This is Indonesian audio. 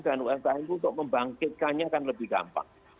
dan umkm itu untuk membangkitkannya akan lebih gampang